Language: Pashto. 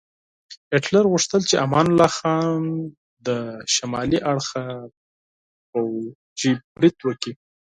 هیټلر غوښتل چې امان الله خان له شمالي اړخه پوځي برید وکړي.